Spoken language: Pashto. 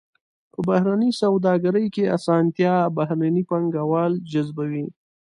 په بهرنۍ سوداګرۍ کې اسانتیا بهرني پانګوال جذبوي.